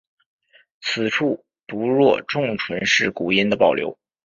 此处读若重唇是古音的保留。